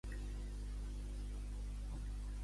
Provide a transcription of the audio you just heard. És un àlbum de conceptes sobre el Regne del rei Roig.